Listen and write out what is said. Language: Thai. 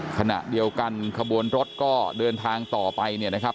ขณะเดียวกันขบวนรถก็เดินทางต่อไปเนี่ยนะครับ